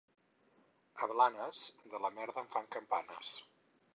A Blanes, de la merda en fan campanes.